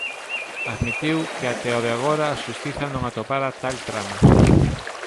Admitiu que até o de agora a xustiza non atopara tal trama.